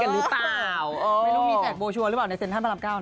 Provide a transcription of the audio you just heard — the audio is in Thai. ไม่รู้มีแสดงโบชัวร์หรือเปล่าในเซ็นทรัพย์ประลับเก้า